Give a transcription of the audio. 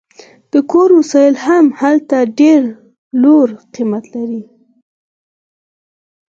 د کور وسایل هم هلته ډیر لوړ قیمت لري